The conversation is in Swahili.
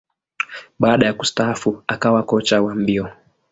Baada ya kustaafu, akawa kocha wa mbio.